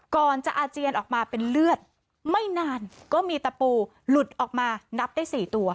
ก่อนจะอาเจียนออกมาเป็นเลือดไม่นานก็มีตะปูหลุดออกมานับได้๔ตัว